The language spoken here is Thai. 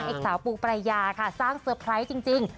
เอกสาวปูปรายาค่ะสร้างเซอร์ไพรส์จริง